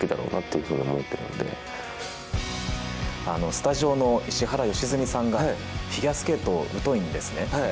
スタジオの石原良純さんがフィギュアスケートうといんですね。